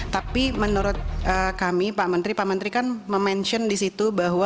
tapi menurut kami pak menteri pak menteri kan memention di situ bahwa